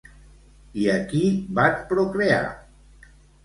I a qui van procrear?